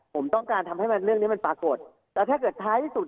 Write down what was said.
ผมต้องการทำให้มันเรื่องนี้มันปรากฏแต่ถ้าเกิดท้ายที่สุด